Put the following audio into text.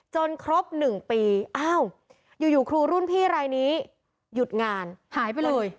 จนครบหนึ่งปีอ้าวอยู่อยู่ครูรุ่นพี่รายนี้หายไปเลย